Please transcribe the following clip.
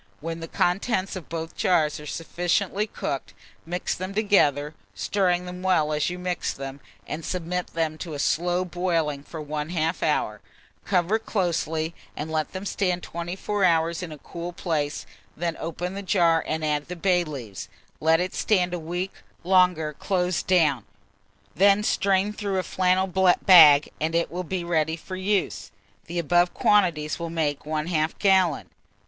When the contents of both jars are sufficiently cooked, mix them together, stirring them well as you mix them, and submit them to a slow boiling for 1/2 hour; cover closely, and let them stand 24 hours in a cool place; then open the jar and add the bay leaves; let it stand a week longer closed down, when strain through a flannel bag, and it will be ready for use. The above quantities will make 1/2 gallon.